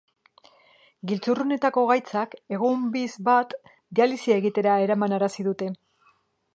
Giltzurrunetako gaitzak, egun biz bat dialisia egitera eramanarazi dute.